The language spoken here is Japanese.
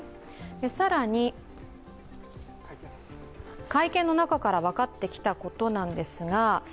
更に会見の中から分かってきたことです。